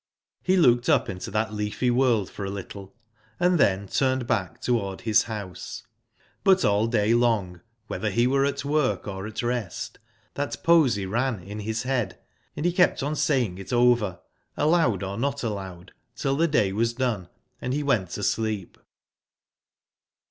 j^Re looked up in to that leafy world for a little and then turned back toward his house; but all day long, whether he were at work or at rest, that posy ran in his head, and he kept on saying it over, aloud or not aloud, t ill the day was done and he went to sleep.